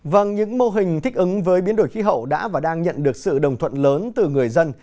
vâng những mô hình thích ứng với biến đổi khí hậu đã và đang nhận được sự đồng thuận lớn từ người dân